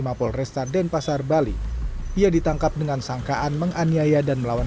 mapol restad dan pasar bali ia ditangkap dengan sangkaan menganiaya dan melawan